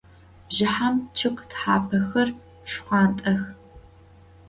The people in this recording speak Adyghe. Bjjıhem ççıg thapexer şşxhuant'ex.